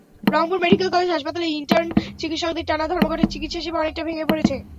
Rangpur medical college হাসপাতালে intern চিকিৎসকদের টানা ধর্মঘটে চিকিৎসাসেবা অনেকটা ভেঙে পড়েছে।